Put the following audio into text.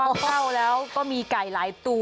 เพราะว่าเข้าแล้วก็มีไก่หลายตัว